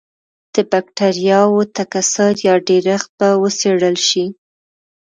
د بکټریاوو تکثر یا ډېرښت به وڅېړل شي.